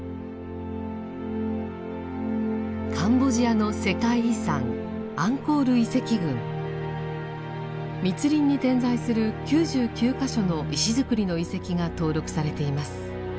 カンボジアの世界遺産密林に点在する９９か所の石造りの遺跡が登録されています。